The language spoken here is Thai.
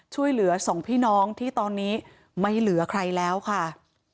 ช่วยเหลือสองพี่น้องที่ตอนนี้ไม่เหลือใครแล้วค่ะ